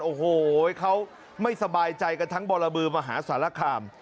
โอ้โหเขาไม่สบายใจกันทั้งบรบือมหาสารคาม